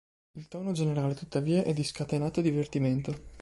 Il tono generale, tuttavia, è di scatenato divertimento.